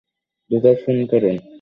দ্রুত ফোন করুন।